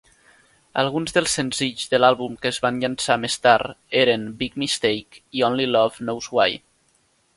Alguns dels senzills de l'àlbum que es van llançar més tard eren "Big Mistake" i "Only Love Knows Why".